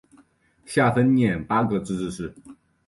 下分廿八个自治市。